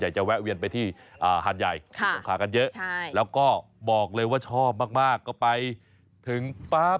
อ่าหันใหญ่ค่ะโปรค่ากันเยอะใช่แล้วก็บอกเลยว่าชอบมากก็ไปถึงป๊าบ